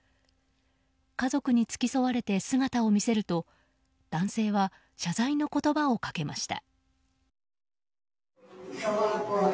家族に付き添われて姿を見せると男性は謝罪の言葉をかけました。